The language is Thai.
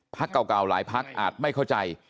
เก่าหลายพักอาจไม่เข้าใจ